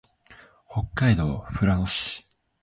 北海道富良野市